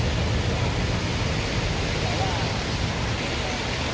เมื่อเวลาอันดับสุดท้ายจะมีเวลาอันดับสุดท้ายมากกว่า